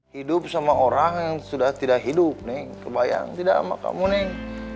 hidup sama orang yang sudah tidak hidup neng kebayang tidak sama kamu neng